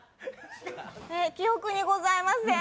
記憶にございません。